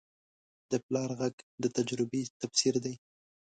د پلار غږ د تجربې تفسیر دی